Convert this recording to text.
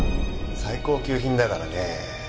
最高級品だからねぇ。